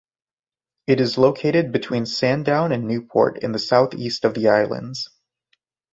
It is located between Sandown and Newport in the southeast of the island.